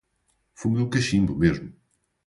Fumo no cachimbo, mesmo!